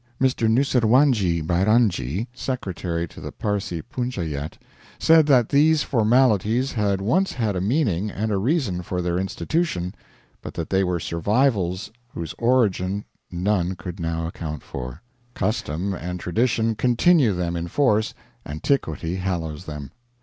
Mr. Nusserwanjee Byramjee, Secretary to the Parsee Punchayet, said that these formalities had once had a meaning and a reason for their institution, but that they were survivals whose origin none could now account for. Custom and tradition continue them in force, antiquity hallows them.